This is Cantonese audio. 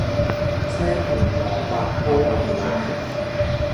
青紅蘿蔔煲牛腩